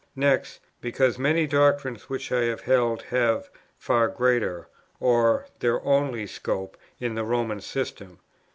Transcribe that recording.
Next, because many doctrines which I have held have far greater, or their only scope, in the Roman system.